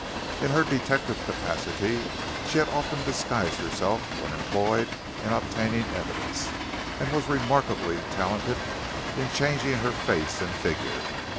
In her detective capacity she had often disguised herself when employed in obtaining evidence, and was remarkably talented in changing her face and figure.